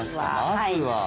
まずは。